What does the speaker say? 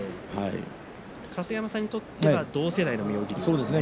春日山さんにとっては同世代の力士ですね。